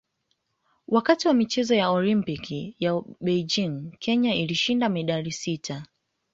Wakati wa michezo ya Olimpiki ya Beijing Kenya ilishinda medali sita